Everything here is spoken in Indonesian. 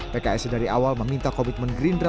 pks dari awal meminta komitmen gerindra